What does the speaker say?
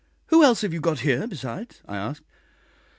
"Who else have you got here besides?" I asked.